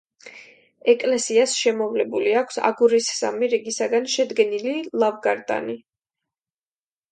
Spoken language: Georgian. ეკლესიას შემოვლებული აქვს აგურის სამი რიგისაგან შედგენილი ლავგარდანი.